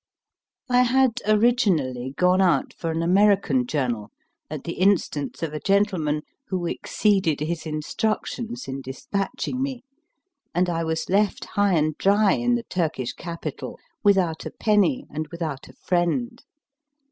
I had originally gone out for an American journal at the instance of a gentleman who exceeded his instructions in despatching me, and I was left high and dry in the Turkish capital without a penny and without a friend.